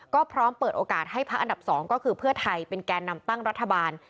ก็พร้อมเปิดโอกาสให้พักอันดับ๒ก็คือเพื่อไทยเป็นแก่นำตั้งรัฐบาล